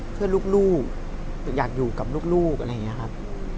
เพื่อลูกอยากอยู่กับลูกอะไรอย่างนี้ครับ